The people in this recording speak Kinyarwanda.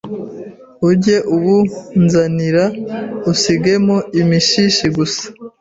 ujye ubunzanira usigemo imishishi gusa.